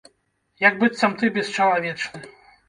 Як быццам ты бесчалавечны.